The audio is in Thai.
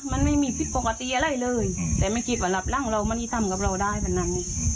มันไม่มีผิดปกติอะไรเลยแต่ไม่คิดว่าหลับร่างเรามันนี่ทำกับเราได้วันนั้น